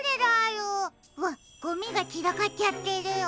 うわっゴミがちらかっちゃってるよ。